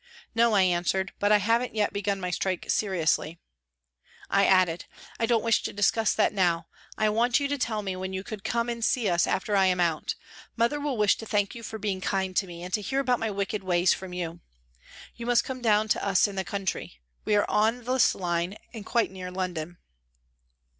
" No," I answered, " but I haven't yet begun my strike seriously." I added : "I don't wish to discuss that now. I want you to tell me when you could come and see us after I am out. Mother will wish to thank you for being kind to me, and to hear about my wicked ways from you. You must come down to us in the country. We are on this line and quite near London."